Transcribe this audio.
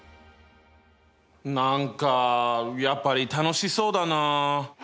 何かやっぱり楽しそうだな。